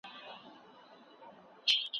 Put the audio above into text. تاسو به ستړي نه سئ.